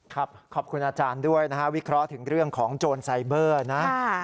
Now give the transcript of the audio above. ขอบคุณอาจารย์ด้วยนะฮะวิเคราะห์ถึงเรื่องของโจรไซเบอร์นะ